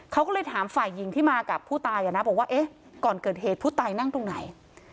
เขาก็เลยถามฝ่ายหญิงที่มากับผู้ตายอ่ะนะบอกว่าเอ๊ะก่อนเกิดเหตุผู้ตายนั่งตรงไหน